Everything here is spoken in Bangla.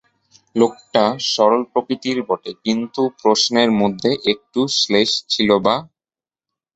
লোকটা সরল প্রকৃতির বটে কিন্তু তবু প্রশ্নের মধ্যে একটু শ্লেষ ছিল-বা।